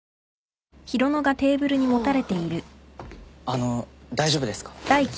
あの大丈夫ですか？